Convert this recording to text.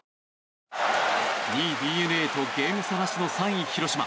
２位ＤｅＮＡとゲーム差なしの３位広島。